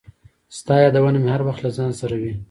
• ستا یادونه مې هر وخت له ځان سره وي.